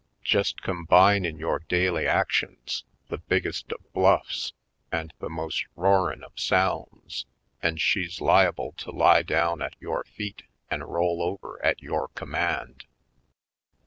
Jest combine in yore daily actions the biggest of bluffs an' the most roarin' of sounds an' she's liable to lay down at yore feet an' roll over at yore command.